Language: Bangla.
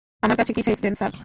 আমার কাছে কী চাইছেন, স্যার?